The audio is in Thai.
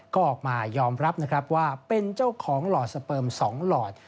ก็ออกมายอมรับนะครับว่าเป็นเจ้าของหลอดสเปิม๒หลอด